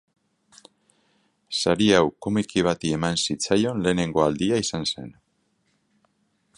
Sari hau komiki bati eman zitzaion lehenengo aldia izan zen.